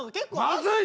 まずい！